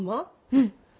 うん。